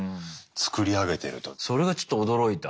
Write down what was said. それがちょっと驚いた。